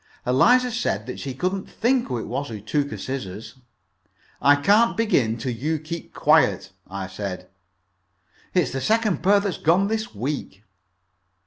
Eliza said that she couldn't think who it was took her scissors. "I can't begin till you keep quiet," I said. "It's the second pair that's gone this week."